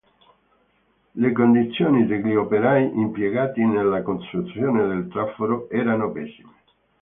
Le condizioni degli operai impiegati nella costruzione del traforo erano pessime.